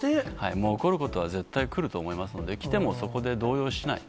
もう起こることは絶対来ると思いますので、来てもそこで動揺しない。